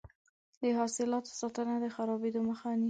د حاصلاتو ساتنه د خرابیدو مخه نیسي.